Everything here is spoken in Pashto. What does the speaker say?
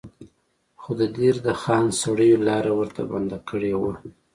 خو د دیر د خان سړیو لاره ورته بنده کړې وه.